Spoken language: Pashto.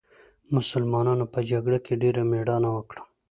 مسلمانانو په جګړه کې ډېره مېړانه وکړه.